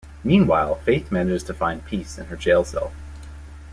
Meanwhile, Faith manages to find peace in her jail cell.